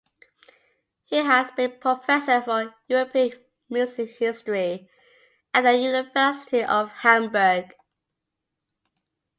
He has been professor for European music history at the University of Hamburg.